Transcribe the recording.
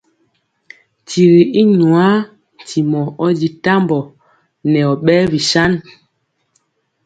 Tigi i nwaa ntimɔ ɔ di tambɔ nɛ ɔ ɓɛɛ bisan.